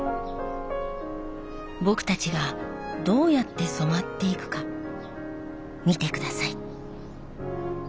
僕たちがどうやって染まっていくか見て下さい。